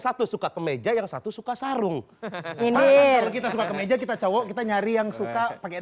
satu suka kemeja yang satu suka sarung oke kita suka kemeja kita cowok kita nyari yang suka pakai